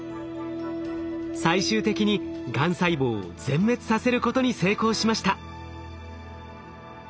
最終的にがん細胞を全滅させることに成功しました。